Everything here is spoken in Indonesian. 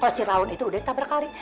kalau si rawun itu udah ditabrak lari